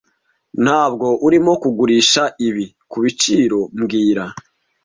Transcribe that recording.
Ntabwo urimo kugurisha ibi kubiciro mbwira